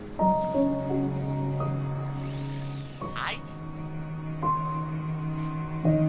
はい。